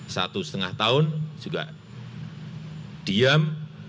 satu setengah tahun juga diam